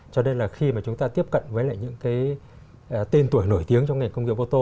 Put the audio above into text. cho nên là khi mà chúng ta tiếp cận với lại những cái tên tuổi nổi tiếng trong nền công nghiệp ô tô